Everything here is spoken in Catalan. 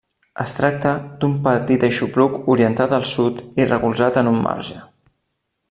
Es tracta d'un petit aixopluc orientat al sud i recolzat en un marge.